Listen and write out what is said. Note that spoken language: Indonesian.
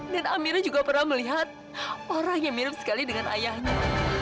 dan amira juga pernah melihat orang yang mirip sekali dengan ayahnya